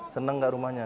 senang nggak rumahnya